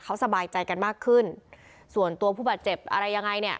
เขาสบายใจกันมากขึ้นส่วนตัวผู้บาดเจ็บอะไรยังไงเนี่ย